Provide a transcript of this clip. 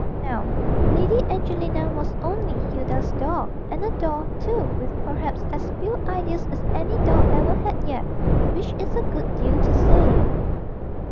Now Lady Angelina was only Hilda's doll, and a doll, too, with perhaps as few ideas as any doll ever had yet which is a good deal to say.